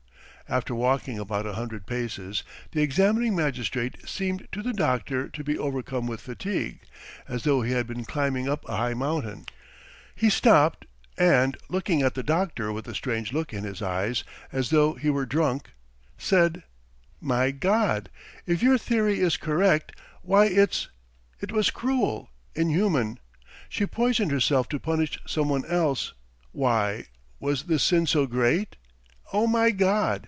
After walking about a hundred paces, the examining magistrate seemed to the doctor to be overcome with fatigue, as though he had been climbing up a high mountain. He stopped and, looking at the doctor with a strange look in his eyes, as though he were drunk, said: "My God, if your theory is correct, why it's. .. it was cruel, inhuman! She poisoned herself to punish some one else! Why, was the sin so great? Oh, my God!